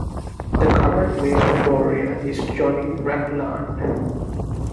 The current mayor of Warrior is Johnny Ragland.